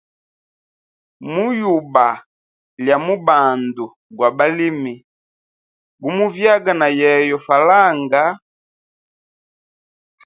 Mu yuba lya mubandu gwa balimi, gu muvyaga na yeyo falanga.